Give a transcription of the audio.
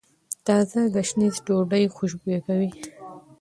تازه ګشنیز ډوډۍ خوشبويه کوي.